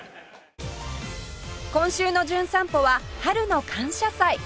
今週の『じゅん散歩』は春の感謝祭